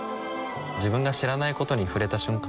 自分が知らないことに触れた瞬間